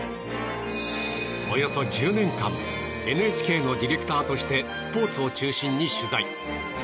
およそ１０年間ＮＨＫのディレクターとしてスポーツを中心に取材。